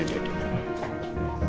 sini di depan lah